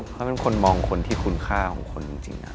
เขาเป็นคนมองคนที่คุณค่าของคนจริง